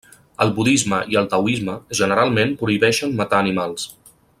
El budisme i el taoisme, generalment prohibeixen matar animals.